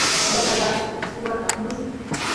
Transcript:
Llapallanchik uqata murumushun.